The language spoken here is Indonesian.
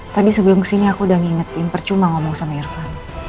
tadi sebelum kesini aku udah ngingetin percuma ngomong sama irfan